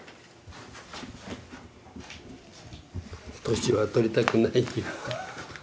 年は取りたくないよ